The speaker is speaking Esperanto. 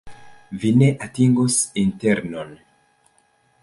Vi ne atingos internon.